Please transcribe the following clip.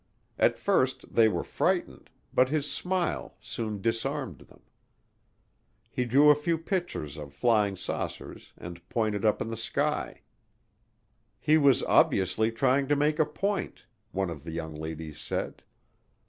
At first they were frightened, but his smile soon "disarmed" them. He drew a few pictures of flying saucers and pointed up in the sky. "He was obviously trying to make a point," one of the young ladies said.